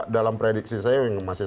dalam prediksi saya yang masih